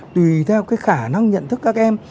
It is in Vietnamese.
tùy theo cái khả năng nhận thức các em